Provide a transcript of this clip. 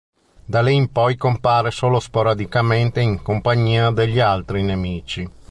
Da lì in poi comparve solo sporadicamente in compagnia degli altri Nemici.